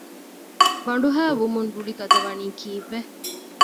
ބަނޑުހައި ވުމުން ރުޅި ގަދަވަނީ ކީއްވެ؟